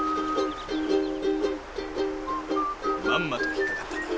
まんまと引っ掛かったな。